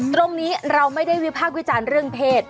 ตรงนี้เราไม่ได้วิพากษ์วิจารณ์เรื่องเพศ